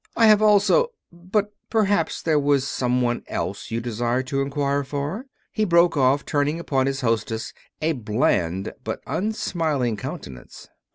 I have also But perhaps there was some one else you desired to inquire for," he broke off, turning upon his hostess a bland but unsmiling countenance.